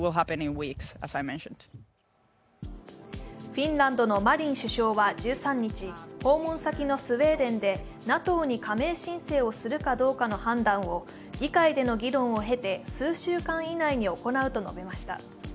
フィンランドのマリン首相は１３日、訪問先のスウェーデンでＮＡＴＯに加盟申請をするかどうかの判断を議会での議論を経て、数週間以内に行うと述べました。